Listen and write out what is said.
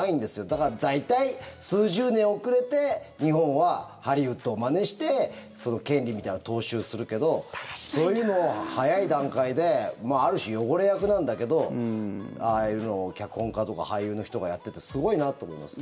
だから大体、数十年遅れて日本はハリウッドをまねして権利みたいなのを踏襲するけどそういうのは早い段階である種、汚れ役なんだけどああいうのを脚本家とか俳優の人がやっててすごいなって思います。